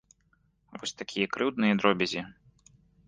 Вось такія крыўдныя дробязі.